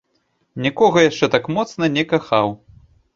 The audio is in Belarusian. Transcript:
Нікога яшчэ так моцна не кахаў.